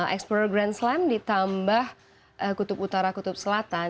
explorer grand slam ditambah kutub utara dan kutub selatan